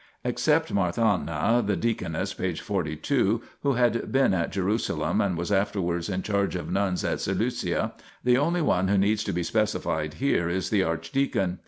Except Marthana, the deaconess (p. 42), who had been at Jerusalem and was afterwards in charge of nuns at Seleucia, the only one who needs to be specified here is the arch deacon.